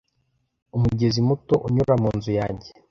Umugezi muto unyura munzu yanjye.